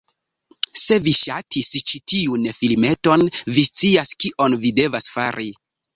Se vi ŝatis ĉi tiun filmeton, vi scias kion vi devas fari: